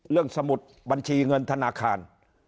เรื่องสมุดบัญชีเงินธนาคาร